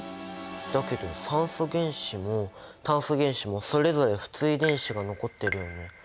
だけど酸素原子も炭素原子もそれぞれ不対電子が残ってるよね。